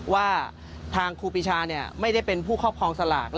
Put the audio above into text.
ว่าทางครูปีชาไม่ได้เป็นผู้ครอบครองสลาก